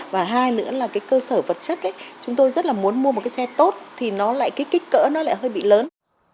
và hai nữa là cái cơ sở vật chất chúng tôi rất là muốn mua một cái xe tốt thì nó lại cái kích cỡ nó lại hơi bị lớn